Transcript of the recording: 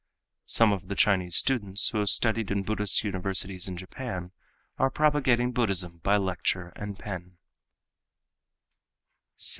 Some of the Chinese students who have studied in Buddhist universities in Japan are propagating Buddhism by lecture and pen.